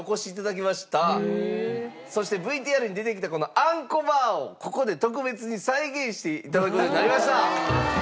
そしてＶＴＲに出てきたこのあんこバーをここで特別に再現して頂く事になりました！